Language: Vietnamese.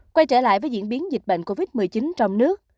quay trở lại với diễn biến dịch bệnh covid một mươi chín trong nước